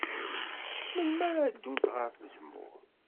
Melmi ara ddunt ɣer uzemmur?